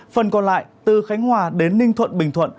phần còn lại từ khánh hòa đến ninh thuận bình thuận